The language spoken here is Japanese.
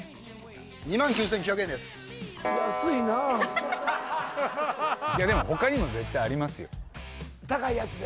２万９９００円ですいやでもほかにも絶対ありますよ高いやつで？